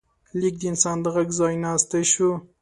لیک د انسان د غږ ځای ناستی شو.